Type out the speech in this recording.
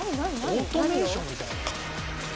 オートメーションみたいだね。